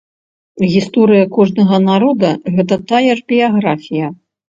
Гісторыя кожнага народа, гэта тая ж біяграфія.